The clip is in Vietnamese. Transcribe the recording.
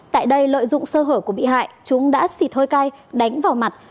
tại đây lợi dụng sơ hở của bị hại chúng đã xịt hơi cay đánh vào mặt